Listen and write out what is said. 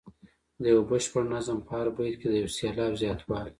د یو بشپړ نظم په هر بیت کې د یو سېلاب زیاتوالی.